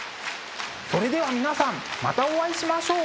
それでは皆さんまたお会いしましょう。